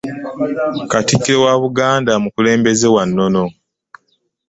Katikkiro wa Buganda mukulembeze wa nnono.